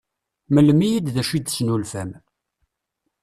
Mlem-iyi-d d acu i d-tesnulfam.